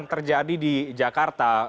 terjadi di jakarta